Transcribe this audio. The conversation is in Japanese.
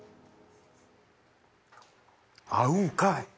合うんかい！